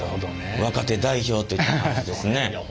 若手代表といった感じですね。